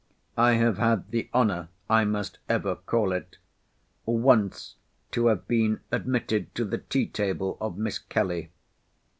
I have had the honour (I must ever call it) once to have been admitted to the tea table of Miss Kelly.